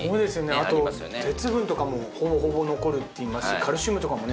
あと鉄分とかもほぼほぼ残るっていいますしカルシウムとかもね